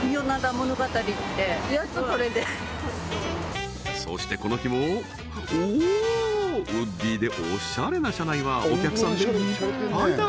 ものがたりってそしてこの日もおおっウッディーでおしゃれな車内はお客さんでいっぱいだ！